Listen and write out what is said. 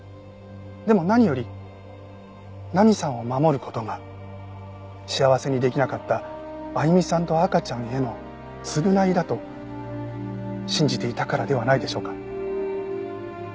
でも何より菜美さんを守る事が幸せにできなかった亜由美さんと赤ちゃんへの償いだと信じていたからではないでしょうか。